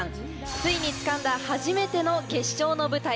ついにつかんだ初めての決勝の舞台。